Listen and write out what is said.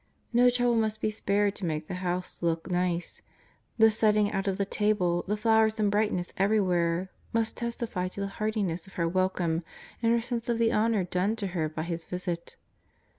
]No trouble must be spared to make the house look nice; ^ the setting out of the table, the flowers and brightness everyAvhere, must testify to the heartiness of her wel come and her sense of the honour done to her by His visit.